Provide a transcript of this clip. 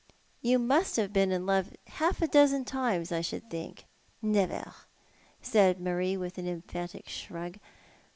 You must have been in love half a dozen times, I should think." "Never," said Marie, with an emphatic shrug.